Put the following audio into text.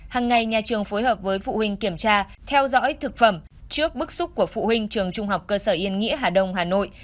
hằng ngày nhà trường phối hợp với phụ huynh kiểm tra theo dõi thực phẩm trước bức xúc của phụ huynh trường trung học cơ sở yên nghĩa hà đông hà nội